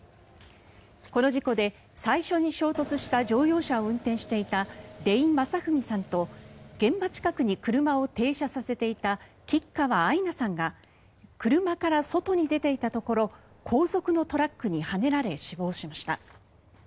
この事故で最初に衝突した乗用車を運転していた出井理史さんと現場近くに車を停車させていた吉川愛菜さんが車から外に出ていたところ後続のトラックにはねられ死亡しました。